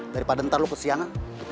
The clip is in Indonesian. daripada ntar lo kesiangan